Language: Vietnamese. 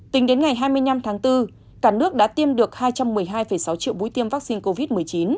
tính đến ngày hai mươi năm tháng bốn cả nước đã tiêm được hai trăm một mươi hai sáu triệu mũi tiêm vaccine covid một mươi chín